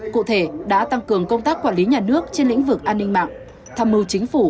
cụ thể đã tăng cường công tác quản lý nhà nước trên lĩnh vực an ninh mạng tham mưu chính phủ